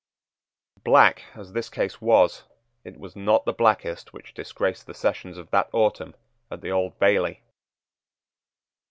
Black as this case was, it was not the blackest which disgraced the sessions of that autumn at the Old Bailey.